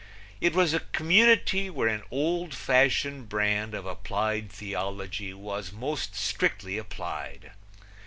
It was a community where an old fashioned brand of applied theology was most strictly applied.